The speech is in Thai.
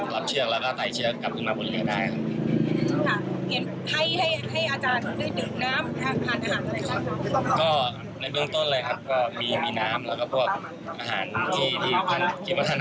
เลยแล้วก็ภะห่มครับ